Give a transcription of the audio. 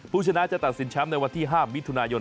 ผู้ชนะจะตัดสินแชมป์ในวันที่๕มิถุนายน